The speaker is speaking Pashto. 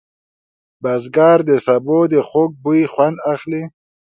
بزګر د سبو د خوږ بوی خوند اخلي